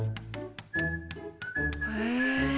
へえ！